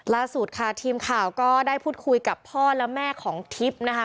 ล่าสุดค่ะทีมข่าวก็ได้พูดคุยกับพ่อและแม่ของทิพย์นะคะ